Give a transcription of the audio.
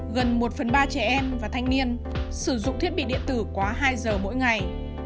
gần một phần ba trẻ em và thanh niên sử dụng thiết bị điện tử quá hai giờ mỗi ngày